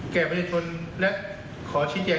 แก่ประชาชนและขอชี้แจง